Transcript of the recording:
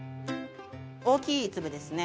大きい粒ですね。